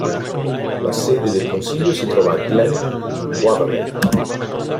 La sede del consiglio si trova a Glen Waverley.